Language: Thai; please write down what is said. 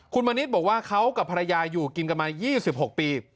คุณมณิษฐ์บอกว่าเขากับภรรยาอยู่กินกันมา๒๖ปี